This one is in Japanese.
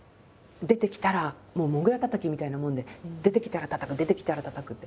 出てきたらもうもぐらたたきみたいなもんで出てきたらたたく出てきたらたたくって。